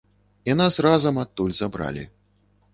І нас разам адтуль забралі.